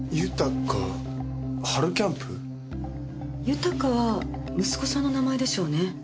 「豊」は息子さんの名前でしょうね。